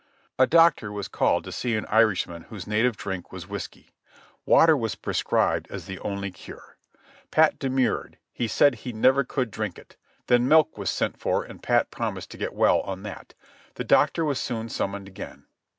A doctor was called to see an Irishman whose native drink was whiskey. Water was prescribed as the only cure; Pat de PRISON LIFE AT FORT WARREN 20/ murred, he said he never could drink it ; then milk was sent for and Pat promised to get well on that; the doctor was soon sum moned again.